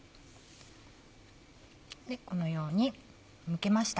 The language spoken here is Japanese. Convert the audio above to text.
このようにむけました。